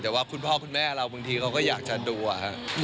แต่ว่าคุณพ่อคุณแม่เราบางทีเขาก็อยากจะดูอะครับ